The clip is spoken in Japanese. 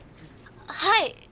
はい！